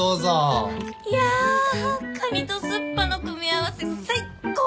いやカニと水破の組み合わせ最高。